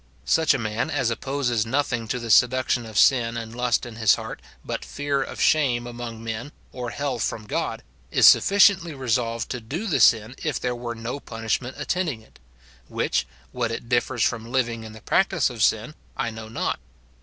Such a man as opposes nothing to the seduction of sin and lust in his heart but fear of shame among men or hell from God, is sufficiently resolved to do the sin if there were no punishment attending it ; which, what it differs from living in the practice of sin, I know not.